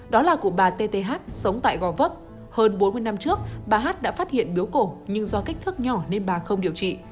đó là cụ bà t t h sống tại gò vấp hơn bốn mươi năm trước bà h đã phát hiện biếu cổ nhưng do kích thước nhỏ nên bà không điều trị